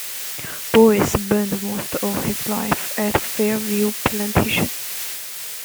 Bowie spent most of his life at Fairview Plantation.